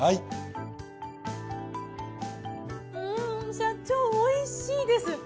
社長おいしいです。